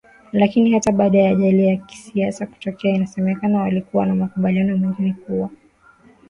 Lakini hata baada ya ajali ya kisiasa kutokea inasemekana walikuwa na makubaliano mengine kuwa